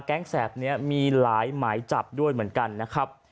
แสบนี้มีหลายหมายจับด้วยเหมือนกันนะครับ